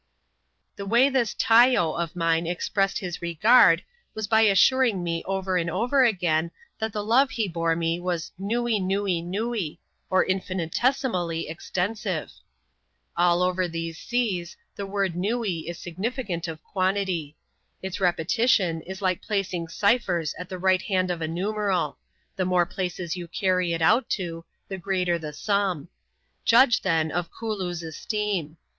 The way this '^ tayo " of mine expressed his regard, was lij assuring me over and over again that the love he bore me was ^^ nuee, nuee, nuee," or infinitesimally extensive. All over these seas, the word ^^ nuee" is significant of quantity. Its repetitioa is like placing ciphers at the right hand of a numeral ; the more places you carry it out to, the greater the sum. Judge, ibeii, of Eooloo's esteem.